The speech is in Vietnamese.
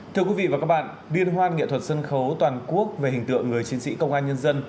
thưa quý vị và các bạn liên hoan nghệ thuật sân khấu toàn quốc về hình tượng người chiến sĩ công an nhân dân